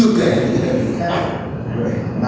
rồi nám giảm